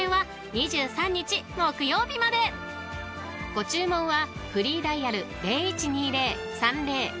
［ご注文は］